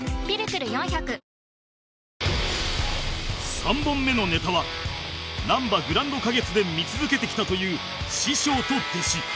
３本目のネタはなんばグランド花月で見続けてきたという「師匠と弟子」